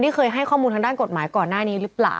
นี่เคยให้ข้อมูลทางด้านกฎหมายก่อนหน้านี้หรือเปล่า